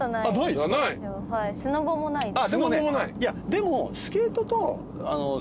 でも。